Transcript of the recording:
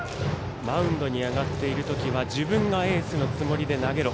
マウンドに上がっている時は自分がエースのつもりで投げろ。